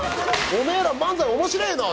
「おめえら漫才面白えな」。